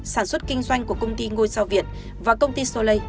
sản xuất kinh doanh của công ty ngôi sao việt và công ty solay